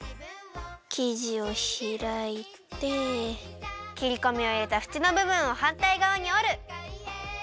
きじをひらいてきりこみをいれたふちのぶぶんをはんたいがわにおる！